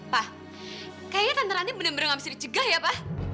pak kayaknya tante ranti bener bener gak bisa dicegah ya pak